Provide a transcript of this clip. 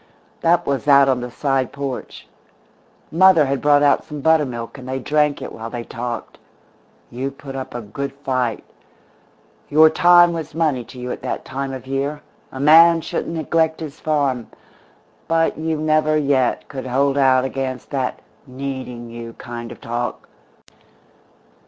"That was out on the side porch. Mother had brought out some buttermilk, and they drank it while they talked. You put up a good fight. Your time was money to you at that time of year; a man shouldn't neglect his farm but you never yet could hold out against that 'needing you' kind of talk.